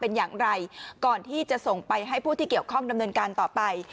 เป็นอย่างไรก่อนที่จะส่งไปให้ผู้ที่เกี่ยวข้องดำเนินการต่อไป